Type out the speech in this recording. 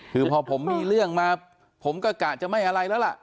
คือพอผมมีเรื่องมาผมก็กะจะไม่อะไรแล้วล่ะ